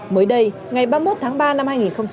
mới đây ngày ba mươi một tháng ba năm hai nghìn hai mươi